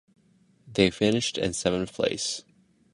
They finished in seventh place.